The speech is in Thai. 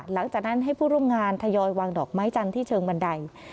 หลังจากนั้นให้ผู้ร่วมงานทยอยวางดอกไม้จันทร์ที่เชิงบันได